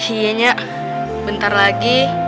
iya nya bentar lagi